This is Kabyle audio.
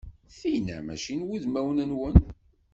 Tinna mačči n wudmawen-nwen.